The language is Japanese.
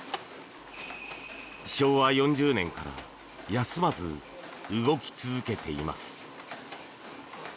昭和４０年から休まず動き続けています。